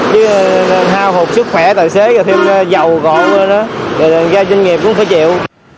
chứ hao hụt sức khỏe tài xế và thêm dầu còn nữa đó để giao doanh nghiệp cũng phải chịu